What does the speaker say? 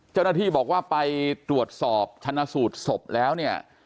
เจ้าหน้าที่บอกว่าไปตรวจสอบชนะสูตรศพแล้วเนี่ย